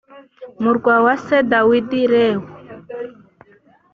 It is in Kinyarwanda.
murwa wa se dawidi b reho